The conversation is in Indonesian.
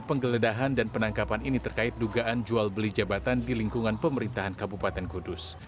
penggeledahan dan penangkapan ini terkait dugaan jual beli jabatan di lingkungan pemerintahan kabupaten kudus